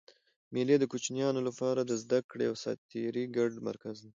مېلې د کوچنيانو له پاره د زدهکړي او ساتېري ګډ مرکز دئ.